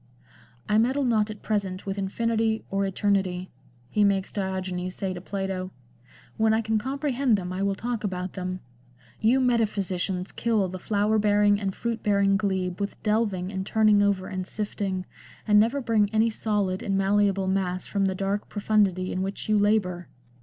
" I meddle not at present with infinity or eternity," he makes Diogenes say to Plato ;" when I can comprehend them I will talk about them. You metaphysicians kill the flower bearing and fruit bearing glebe with delving and turning over and sifting, and never bring any solid and malleable mass from the dark profundity in which you labour.